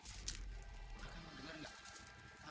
kamu dengar tidak